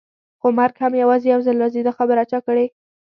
خو مرګ هم یوازې یو ځل راځي، دا خبره چا کړې؟